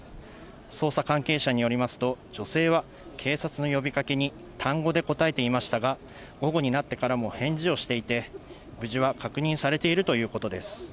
捜査関係者によりますと、女性は警察の呼びかけに単語で答えていましたが、午後になってからも返事をしていて、無事は確認されているということです。